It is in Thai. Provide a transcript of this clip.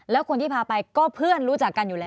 แล้วคนที่พาไปก็เพื่อนรู้จักกันอยู่แล้ว